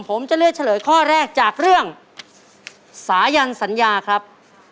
ผมจะเลือกเฉลยข้อแรกจากเรื่องสายันสัญญาครับ